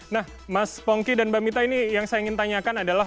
nah mas pongki dan mbak mita ini yang saya ingin tanyakan adalah